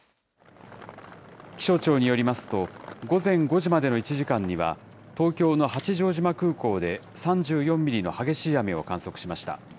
気象庁によりますと、午前５時までの１時間には、東京の八丈島空港で３４ミリの激しい雨を観測しました。